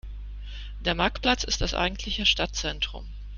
Der Marktplatz ist das eigentliche Stadtzentrum.